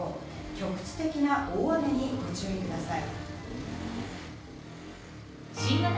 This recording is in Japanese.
局地的な大雨にご注意ください。